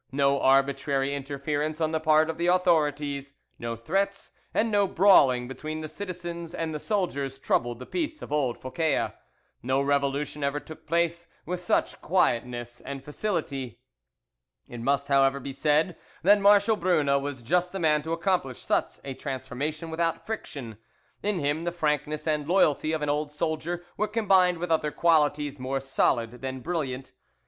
No arbitrary interference on the part of the authorities, no threats, and no brawling between the citizens and the soldiers, troubled the peace of old Phocea; no revolution ever took place with such quietness and facility. "It must, however, be said, that Marshal Brune was just the man to accomplish such a transformation without friction; in him the frankness and loyalty of an old soldier were combined with other qualities more solid than brilliant.